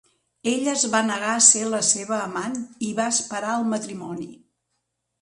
Ella es va negar a ser la seva amant i va esperar al matrimoni.